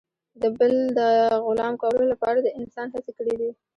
د بل د غلام کولو لپاره انسان هڅې کړي دي.